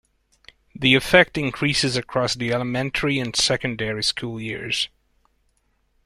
The effect increases across the elementary and secondary school years.